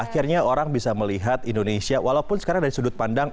akhirnya orang bisa melihat indonesia walaupun sekarang dari sudut pandang